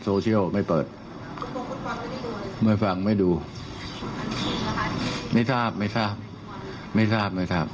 โซเชียลไม่เปิดไม่ฟังไม่ดูไม่ทราบไม่ทราบไม่ทราบไม่ทราบ